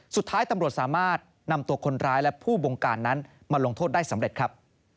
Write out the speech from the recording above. สุดท้ายตำรวจสามารถนำตัวคนร้ายและผู้บงการนั้นมาลงโทษได้สำเร็จครับ